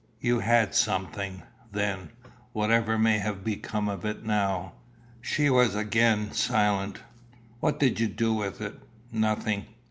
"You had something, then, whatever may have become of it now." She was again silent. "What did you do with it?" "Nothing."